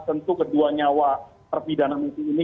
tentu kedua nyawa terbidana masri ini